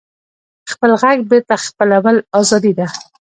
خپل غږ بېرته خپلول ازادي ده.